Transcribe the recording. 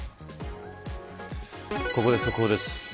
ここで速報です。